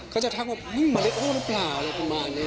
เขาจะทักว่ามะเร็วหรือเปล่าอะไรประมาณนี้